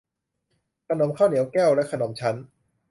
ขนมข้าวเหนียวแก้ว และขนมชั้น